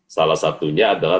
salah satunya adalah